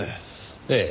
ええ。